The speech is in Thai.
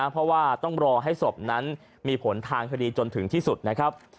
เพราะว่าต้องรอให้ศพนั้นมีผลทางคดีจนถึงที่สุดนะครับ